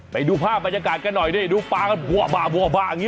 ไปดูภาพบรรยากาศกันหน่อยดูปากันบ้าบ้า